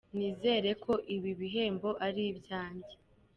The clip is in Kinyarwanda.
nizere ko ibi bihembo ari ibyanjye.